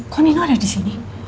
kok nino ada disini